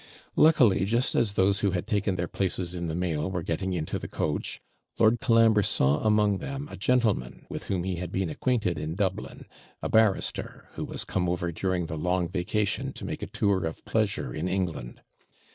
Luckily, just as those who had taken their places in the mail were getting into the coach, Lord Colambre saw among them a gentleman, with whom he had been acquainted in Dublin, a barrister, who was come over during the long vacation, to make a tour of pleasure in England.